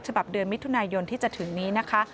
ฉบับเดือนมิถุนายนที่จะถึงนี้นะคะ